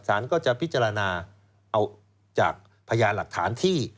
สารก็จะพิจารณาเอาจากพยานหลักฐานที่